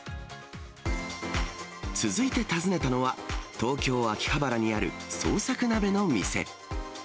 続いて訪ねたのは、東京・秋葉原にある創作鍋の店。